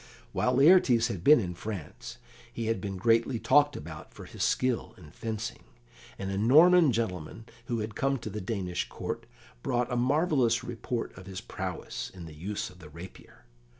While Laertes had been in France, he had been greatly talked about for his skill in fencing, and a Norman gentleman who had come to the Danish Court brought a marvellous report of his prowess in the use of the rapier.